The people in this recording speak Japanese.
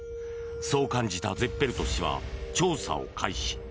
そう感じたゼッペルト氏は調査を開始。